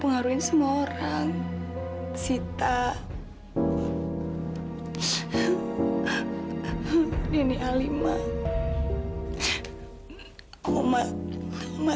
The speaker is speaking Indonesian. saya tidak akan kasih uang lagi sama kamu